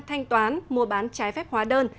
thanh toán mua bán trái phép hóa đơn